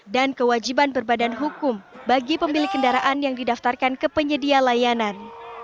dan kewajiban berbadan hukum bagi pemilik kendaraan yang didaftarkan ke penyedia layanan